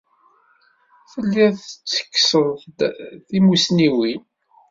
Telliḍ tettekkseḍ-d timussniwin.